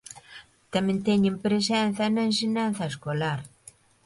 Tamén teñen presenza na ensinanza escolar.